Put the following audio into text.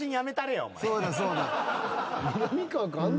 そうだそうだ。